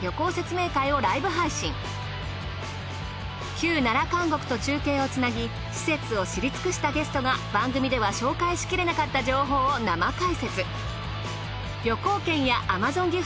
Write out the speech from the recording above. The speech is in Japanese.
旧奈良監獄と中継をつなぎ施設を知り尽くしたゲストが番組では紹介しきれなかった情報を生解説。